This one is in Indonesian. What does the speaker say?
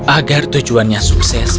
agar tujuannya sukses